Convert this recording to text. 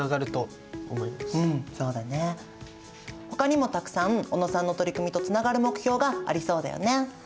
ほかにもたくさん小野さんの取り組みとつながる目標がありそうだよね。